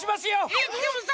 えっでもさ